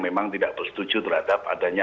memang tidak bersetuju terhadap adanya